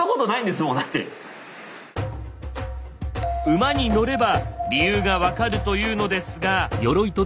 馬に乗れば理由が分かるというのですが。